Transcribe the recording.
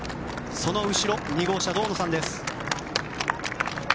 その後ろ、２号車堂野さんです。